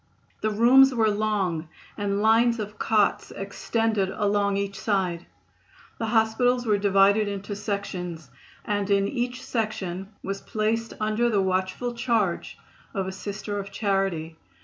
The rooms were long, and lines of cots extended along each side. The hospitals were divided into sections and each section was placed under the watchful charge of a Sister of Charity.